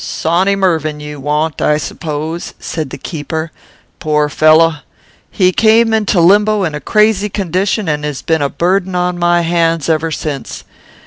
"Sawny Mervyn you want, I suppose," said the keeper. "Poor fellow! He came into limbo in a crazy condition, and has been a burden on my hands ever since.